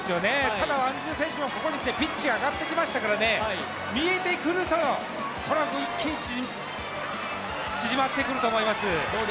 ただ、ワンジル選手はここにきてピッチが上がってきましたから見えてくると一気に縮まってくると思います。